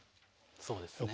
そうですね。